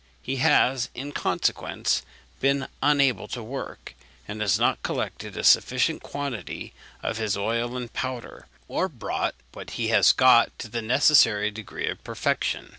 He has, in consequence, been unable to work, and has not collected a sufficient quantity of his oil and powder, or brought what he has got to the necessary degree of perfection.